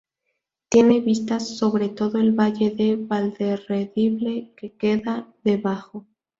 Tiene vistas sobre todo el valle de Valderredible, que queda debajo.